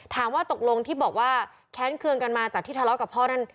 ถามว่าตกลงที่บอกว่าแค้นเคืองกันมาจากที่ทะเลาะกับพ่อนั่น